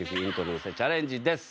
乗せチャレンジです。